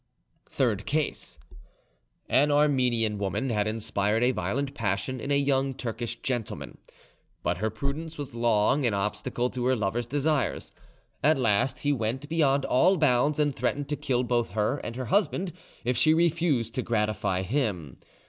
THIRD CASE An Armenian woman had inspired a violent passion in a young Turkish gentleman, but her prudence was long an obstacle to her lover's desires. At last he went beyond all bounds, and threatened to kill both her and her husband if she refused to gratify him.